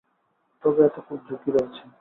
তবে এতে খুব ঝুঁকি রয়েছে।